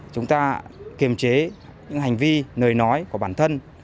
chúng ta kiềm chế những hành vi lời nói của bản thân